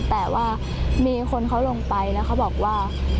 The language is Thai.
แต่ว่ามีคนเขาลงไปแล้วเขาบอกว่า